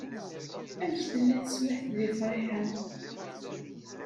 Amek tella teswiɛt di Friḥa?